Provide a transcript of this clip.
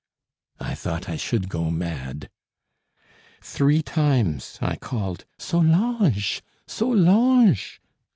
I thought I should go mad. Three times I called: "Solange! Solange!